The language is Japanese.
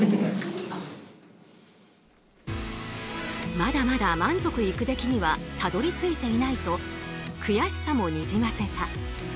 まだまだ満足いく出来にはたどり着いていないと悔しさもにじませた。